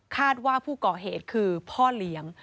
ว่าผู้ก่อเหตุคือพ่อเลี้ยง